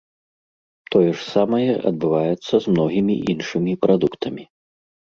Тое ж самае адбываецца з многімі іншымі прадуктамі.